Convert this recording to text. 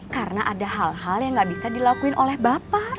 karena ada hal hal yang gak bisa dilakuin oleh bapak